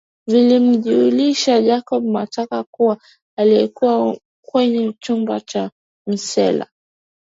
Vilimjulisha Jacob Matata kuwa alikuwa kwenye chumba cha msela